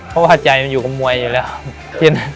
เพราะว่าใจมันอยู่กับมวยอยู่แล้ว